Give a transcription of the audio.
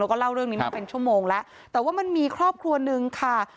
แล้วก็เล่าเรื่องนี้มาเป็นชั่วโมงแล้วแต่ว่ามันมีครอบครัวหนึ่งค่ะ